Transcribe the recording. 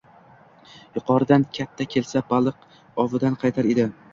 Yuqoridan katta kelsa... baliq ovidan qaytar edi.